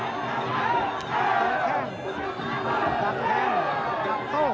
ตั้งแข้ง